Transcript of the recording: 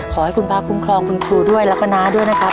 ขอให้คุณพระคุ้มครองคุณครูด้วยแล้วก็น้าด้วยนะครับ